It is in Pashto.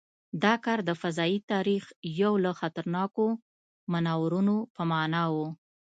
دا کار د فضايي تاریخ یو له خطرناکو مانورونو په معنا و.